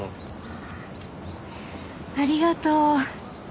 ああありがとう。